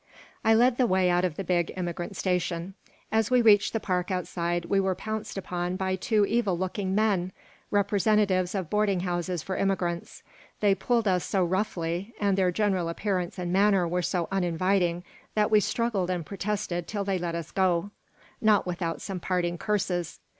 I led the way out of the big Immigrant Station. As we reached the park outside we were pounced down upon by two evil looking men, representatives of boarding houses for immigrants. They pulled us so roughly and their general appearance and manner were so uninviting that we struggled and protested until they let us go not without some parting curses.